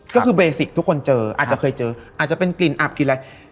ก็คือเบสิกทุกคนเจออาจจะเคยเจออาจจะเป็นกลิ่นอับกลิ่นอะไร